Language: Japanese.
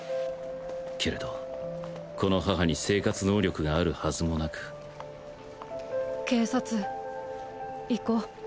けれどこの母に生活能力があるはずもなくケーサツ行こ。